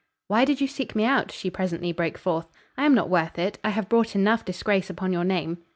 "Why did you seek me out?" she presently broke forth. "I am not worth it. I have brought enough disgrace upon your name."